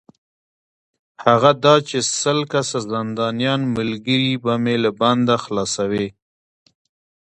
هغه دا چې سل کسه زندانیان ملګري به مې له بنده خلاصوې.